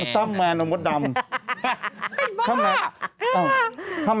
ท่านแมนซ่ำที่เราก็โฆษณาไว้